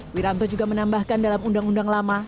wiranto juga menambahkan dalam undang undang lama